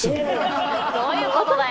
どういうことだよ。